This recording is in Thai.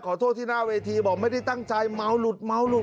ขอโทษที่หน้าเวทีบอกไม่ได้ตั้งใจเมาหลุดเมาหลุด